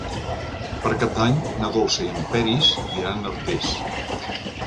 Per Cap d'Any na Dolça i en Peris iran a Artés.